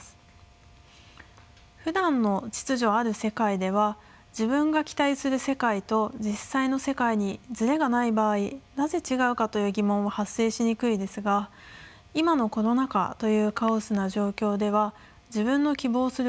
ふだんの秩序ある世界では自分が期待する世界と実際の世界にずれがない場合なぜ違うかという疑問は発生しにくいですが今のコロナ禍というカオスな状況では自分の希望する